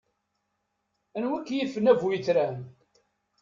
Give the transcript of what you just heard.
Anwa i k-yifen a bu yetran?